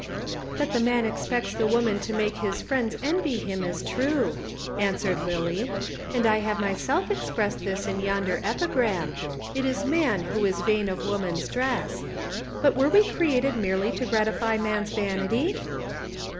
"That the man expects the woman to make his friends envy him is true," answered Lillie, "and I have myself expressed this in yonder epigram, It is man who is vain of woman's dress. But were we created merely to gratify man's vanity?"